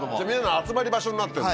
集まり場所になってんだ。